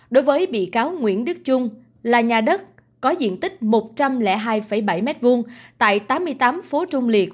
đối với bị cáo nguyễn đức trung là nhà đất có diện tích một trăm linh hai bảy m hai tại tám mươi tám phố trung liệt